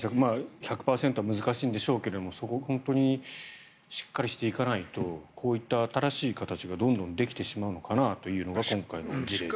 １００％は難しいんでしょうがそこをしっかりしていかないとこういった新しい形がどんどんできてしまうのかなというのが今回の事例ですね。